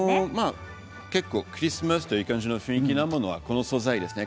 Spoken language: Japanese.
結構クリスマスという感じの雰囲気なのはこの素材ですね